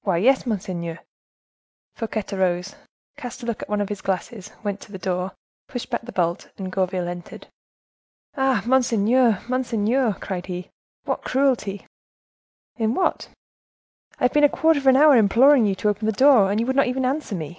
"Why, yes, monseigneur." Fouquet arose, cast a look at one of his glasses, went to the door, pushed back the bolt, and Gourville entered. "Ah! monseigneur! monseigneur!" cried he, "what cruelty!" "In what?" "I have been a quarter of an hour imploring you to open the door, and you would not even answer me."